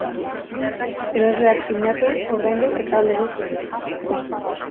Erosleak sinatu, ordaindu eta alde egin zuen.